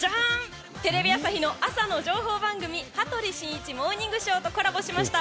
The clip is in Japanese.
テレビ朝日の朝の情報番組「羽鳥慎一モーニングショー」とコラボしました